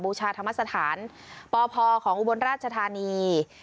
บูชาธรรมสถานปพของอุบลราชธานี